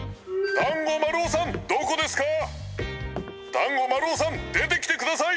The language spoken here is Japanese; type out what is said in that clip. だんごまるおさんでてきてください！